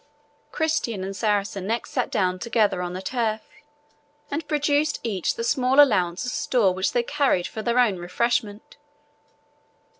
Christian and Saracen next sat down together on the turf, and produced each the small allowance of store which they carried for their own refreshment.